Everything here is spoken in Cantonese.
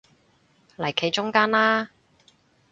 嚟企中間啦